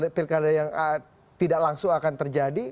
pilkada yang tidak langsung akan terjadi